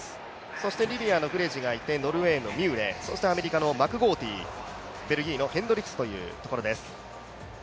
そしてリビアのフレジがいて、ノルウェーのミューレ、アメリカのマクゴーティー、ベルギーのヘンドリクスというところです。